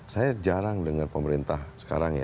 saya jarang dengar pemerintah sekarang ya